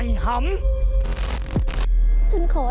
ไอ้หำ